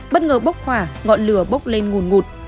bất ngờ bốc hỏa ngọn lửa bốc lên nguồn ngụt